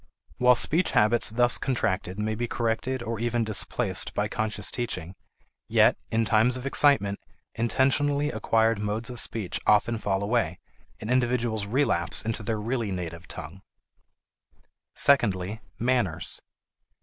While speech habits thus contracted may be corrected or even displaced by conscious teaching, yet, in times of excitement, intentionally acquired modes of speech often fall away, and individuals relapse into their really native tongue. Secondly, manners.